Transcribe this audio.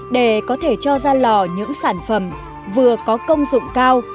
để có thể cho ra lò những sản phẩm vừa có công dụng cao